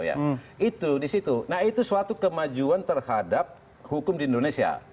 itu disitu nah itu suatu kemajuan terhadap hukum di indonesia